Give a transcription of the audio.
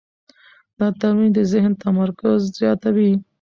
دا تمرین د ذهن تمرکز زیاتوي.